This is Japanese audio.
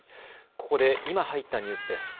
ここで今入ったニュースです。